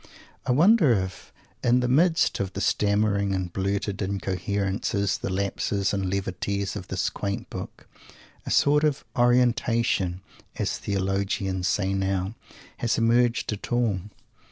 I wonder if, in the midst of the stammered and blurted incoherences, the lapses and levities, of this quaint book, a sort of "orientation," as the theologians say now, has emerged at all?